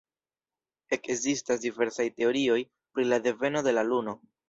Ekzistas diversaj teorioj pri la deveno de la Luno.